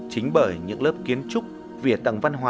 chính bởi những lớp kiến trúc vỉa tầng văn hóa